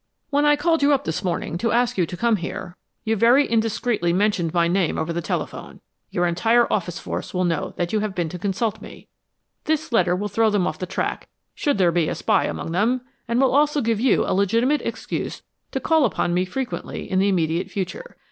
When I called you up this morning, to ask you to come here, you very indiscreetly mentioned my name over the telephone. Your entire office force will know that you have been to consult me this letter will throw them off the track should there be a spy among them, and will also give you a legitimate excuse to call upon me frequently in the immediate future.